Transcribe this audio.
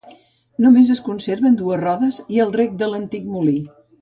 Només es conserven dues rodes i el rec de l'antic molí.